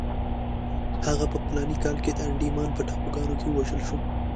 هغه په فلاني کال کې د انډیمان په ټاپوګانو کې ووژل شو.